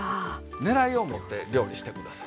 ねらいを持って料理して下さい。